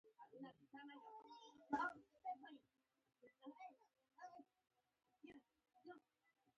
اطلاعات خپاره شوي نه دي.